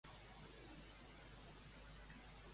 El Jordi i en Musa només són amics de llit